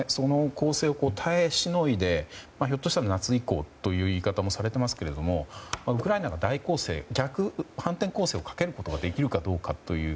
攻勢を耐えしのいでひょっとしたら夏以降という言い方もされていますがウクライナが大攻勢反転攻勢をかけることができるかどうかという。